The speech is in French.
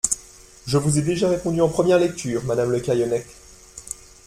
Je vous ai déjà répondu en première lecture, madame Le Callennec.